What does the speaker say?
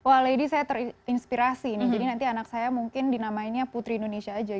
wah lady saya terinspirasi ini jadi nanti anak saya mungkin dinamainnya putri indonesia aja